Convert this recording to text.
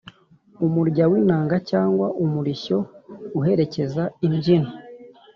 umurya w’inanga cyangwa umurishyo uherekeza imbyino